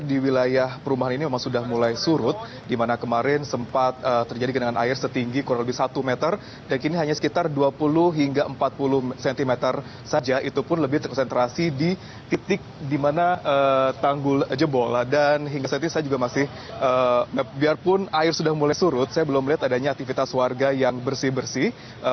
dan hingga saat ini saya juga masih biarpun air sudah mulai surut saya belum melihat adanya aktivitas warga yang bersih bersih